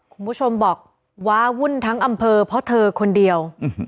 คุณผู้ชมบอกว้าวุ่นทั้งอำเภอเพราะเธอคนเดียว